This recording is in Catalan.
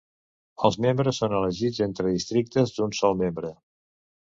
Els membres són elegits entre districtes d'un sol membre.